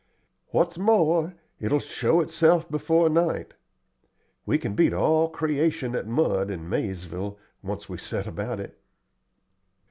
"What's more, it will show itself before night. We can beat all creation at mud in Maizeville, when once we set about it."